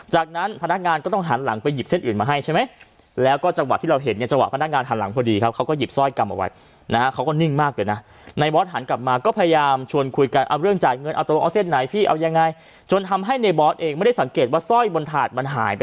จากนั้นพนักงานก็ต้องหันหลังไปหยิบเส้นอื่นมาให้ครับ